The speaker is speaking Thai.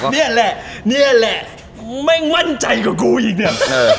นี่แหละนี่แหละไม่มั่นใจกว่ากูอีกเนี่ย